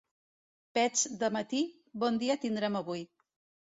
Pets de matí, bon dia tindrem avui.